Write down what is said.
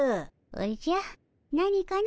おじゃ何かの？